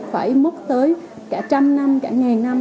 phải mất tới cả trăm năm cả ngàn năm